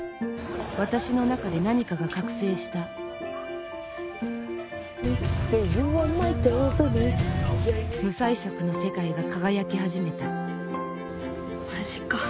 私の中で何かが覚醒した無彩色の世界が輝き始めたマジか。